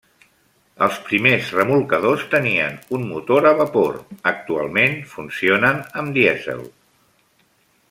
Els primers remolcadors tenien un motor a vapor; actualment funcionen amb dièsel.